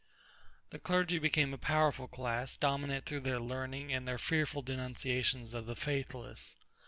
The clergy became a powerful class, dominant through their learning and their fearful denunciations of the faithless.